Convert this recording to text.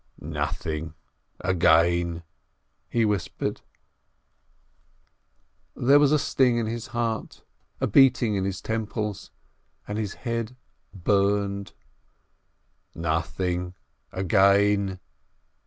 "Nothing — again !" he whispered. There was a sting in his heart, a beating in his temples, and his head burned. "Nothing — again!